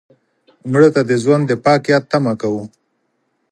مړه ته د ژوند د پاک یاد تمه کوو